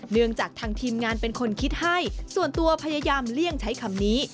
เนื่องจากทางทีมงานเป็นคนคิดให้ส่วนตัวพยายามเลี่ยงใช้คำนี้